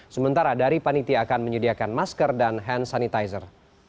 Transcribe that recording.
sementara dari panitia akan menyediakan masker dan hand sanitizer